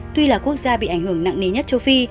tuy là quốc gia bị ảnh hưởng nặng nề nhất châu phi